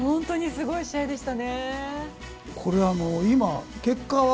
すごい試合でした。